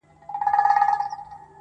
بیا د صمد خان او پاچاخان حماسه ولیکه،